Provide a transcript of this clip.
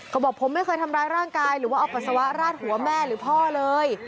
ก็บอกผมไม่เคยทำร้ายร่างกายหรือว่าเอาปัสสาวะราดหัวแม่หรือพ่อเลย